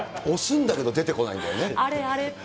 押すんだけど、出てこないんあれ？